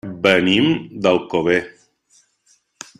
Venim d'Alcover.